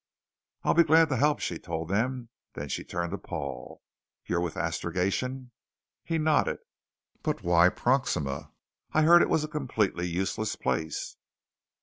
"I'll be glad to help," she told them. Then she turned to Paul. "You're with Astrogation?" He nodded. "But why Proxima? I've heard it was a completely useless place."